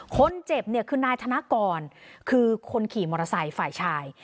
คนเจ็บเนี่ยคือนายธนกรคือคนขี่มอเตอร์ไซค์ฝ่ายชาย